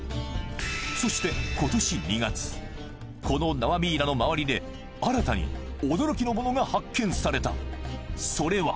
そして今年２月この縄ミイラの周りで新たに驚きのものが発見されたそれは